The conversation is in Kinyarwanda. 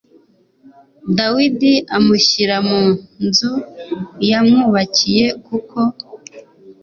dawidi amushyira mu nzu yamwubakiye kuko